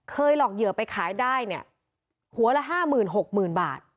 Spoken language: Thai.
เคยหลอกเหยื่อไปขายได้เนี่ยหัวละ๕หมื่น๖หมื่นบาท